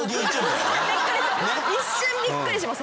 一瞬びっくりします